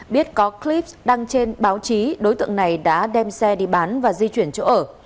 biết có clip đăng trên báo chí đối tượng này đã đem xe đi bán và di chuyển chỗ ở